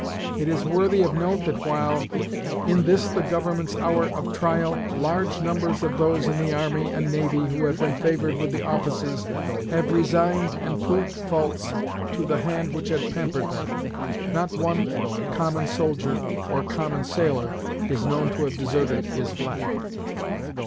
It is worthy of note that while, in this the Government's hour of trial, large numbers of those in the army and navy who have been favored with the offices have resigned and proved false to the hand which had pampered them, not one common soldier or common sailor is known to have deserted his flag.